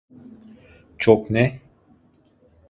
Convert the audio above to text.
Çok ne?